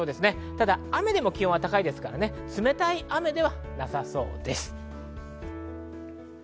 ただ雨でも気温は高く、冷たい雨ではなさそうです。